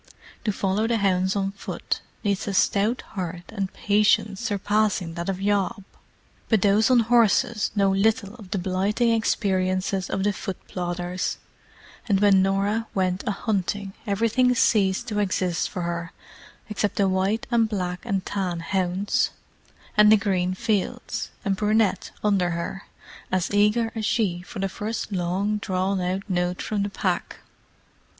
To follow the hounds on foot needs a stout heart and patience surpassing that of Job. But those on horses know little of the blighting experiences of the foot plodders: and when Norah went a hunting everything ceased to exist for her except the white and black and tan hounds and the green fields, and Brunette under her, as eager as she for the first long drawn out note from the pack.